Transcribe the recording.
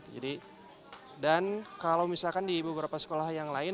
jadi dan kalau misalkan di beberapa sekolah yang lain